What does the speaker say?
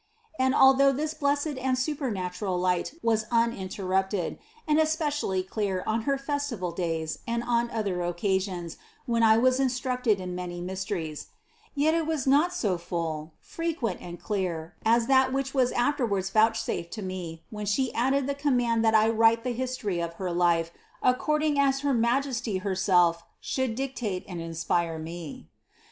And, although this blessed and supernatural light was uninterrupted, and especially clear on her festival days and on other occa sions when I was instructed in many mysteries; yet it was not so full, frequent and clear as that which was after wards vouchsafed to me when She added the command that I write the history of her life according as her Ma jesty herself should dictate and inspire me.